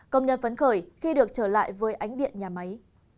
công nhân phấn khởi khi được trở lại với ánh điện nhà máy